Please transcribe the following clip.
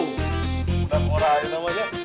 udah ngora aja takutnya